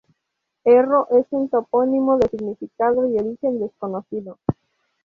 Erro es un topónimo de significado y origen desconocido.